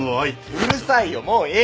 うるさいよもういい！